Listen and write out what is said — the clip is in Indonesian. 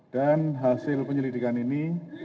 dan hasil penyelidikan ini